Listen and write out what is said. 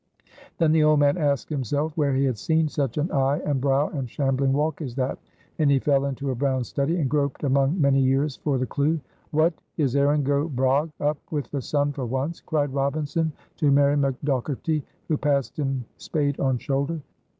Then the old man asked himself where he had seen such an eye and brow and shambling walk as that; and he fell into a brown study and groped among many years for the clew. "What! is Erin go bragh up with the sun for once?" cried Robinson to Mary McDogherty, who passed him spade on shoulder.